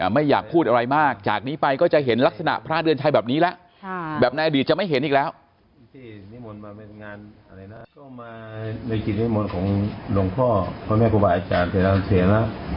ไม่อยากพูดอะไรมากจากนี้ไปก็จะเห็นลักษณะพระเดือนชัยแบบนี้แล้วแบบในอดีตจะไม่เห็นอีกแล้ว